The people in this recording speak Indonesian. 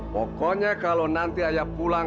pokoknya kalau nanti ayah pulang